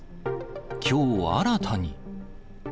きょう新たに。